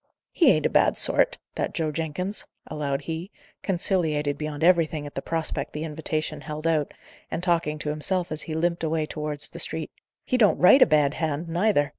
"He ain't a bad sort, that Joe Jenkins," allowed he, conciliated beyond everything at the prospect the invitation held out, and talking to himself as he limped away towards the street. "He don't write a bad hand, neither!